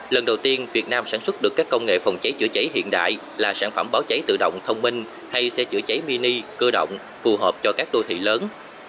lần đầu tiên việt nam sản xuất được các công nghệ phòng cháy chữa cháy hiện đại là sản phẩm báo cháy tự động thông minh hay xe chữa cháy mini cơ động phù hợp cho các đô thị lớn